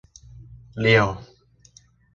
เรียล